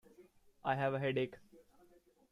I have a headache.